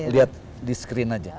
lihat di screen aja